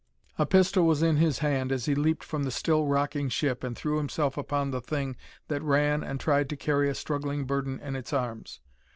A pistol was in his hand as he leaped from the still rocking ship and threw himself upon the thing that ran and tried to carry a struggling burden in its arms.